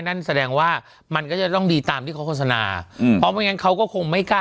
นั่นแสดงว่ามันก็จะต้องดีตามที่เขาโฆษณาอืมเพราะไม่งั้นเขาก็คงไม่กล้า